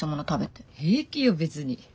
平気よ別に。